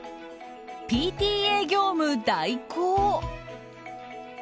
ＰＴＡ業務代行。